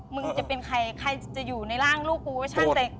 มึงจะเป็นใครใครจะอยู่ในร่างลูกกูก็ช่างใจ